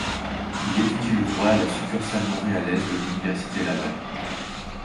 Il étudie le droit à la succursale montréalaise de l'université Laval.